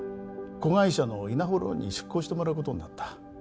子会社のいなほローンに出向してもらうことになった